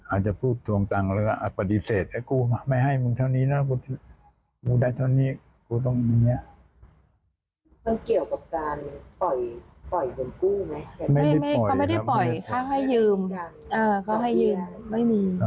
อาจพูดทวงทางก็ปฎิเสธไปลุงไม่ให้มึงเท่านี้นะมึงได้เท่านี้